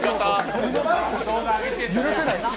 許せないです。